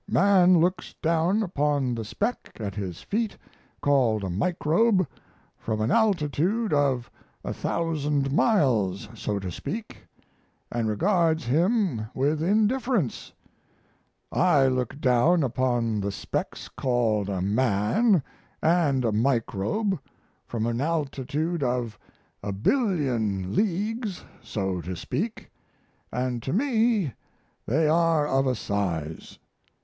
Man looks down upon the speck at his feet called a microbe from an altitude of a thousand miles, so to speak, and regards him with indifference; I look down upon the specks called a man and a microbe from an altitude of a billion leagues, so to speak, and to me they are of a size.